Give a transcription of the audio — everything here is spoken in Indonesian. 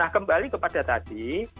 kembali kepada tadi